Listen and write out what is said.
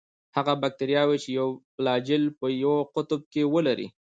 هغه باکتریاوې چې یو فلاجیل په یوه قطب کې ولري.